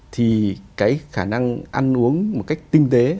thì cái khả năng ăn uống một cách tinh tế